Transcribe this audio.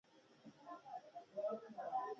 پۀ سوال ژرندې نۀ چلېږي.